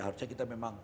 harusnya kita memang